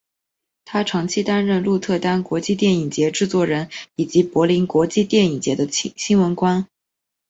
他长期担任鹿特丹国际电影节制作人以及柏林国际电影节的新闻官。